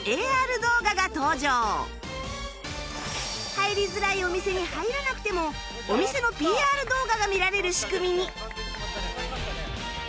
入りづらいお店に入らなくてもお店の ＰＲ 動画が見られる仕組みに